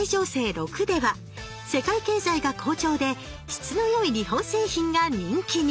６では「世界経済が好調で質の良い日本製品が人気に」。